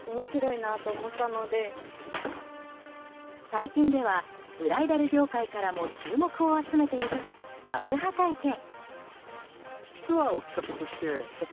最近ではブライダル業界からも注目を集めている爆破体験。